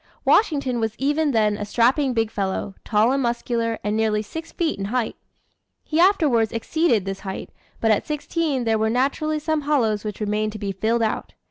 Washington was even then a strapping big fellow, tall and muscular, and nearly six feet in height. He afterwards exceeded this height, but at sixteen there were naturally some hollows which remained to be filled out.